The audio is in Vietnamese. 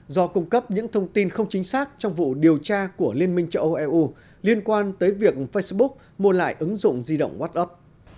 do cung cấp những thông tin không chính xác trong vụ điều tra của liên minh châu âu eu liên quan tới việc facebook mua lại ứng dụng di động ward up